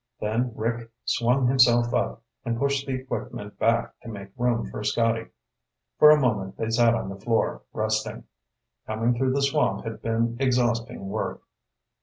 Then Rick swung himself up and pushed the equipment back to make room for Scotty. For a moment they sat on the floor, resting. Coming through the swamp had been exhausting work.